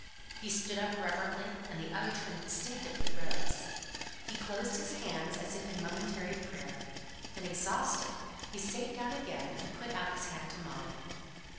He stood up reverently, and the other two instinctively rose. He closed his hands as if in momentary prayer. Then exhausted he sate down again, and put out his hand to Molly.